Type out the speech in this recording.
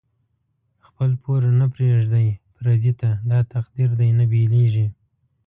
خپل پور نه پریږدی پردی ته، دا تقدیر دۍ نه بیلیږی